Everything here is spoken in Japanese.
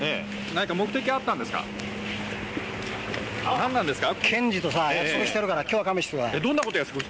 何なんですか？